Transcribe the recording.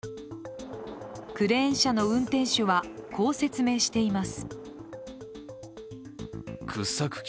クレーン車の運転手はこう説明しています。